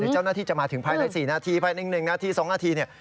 เจ้าหน้าที่จะมาถึงภายใน๔นาทีภายใน๑นาที๒นาทีเนี่ย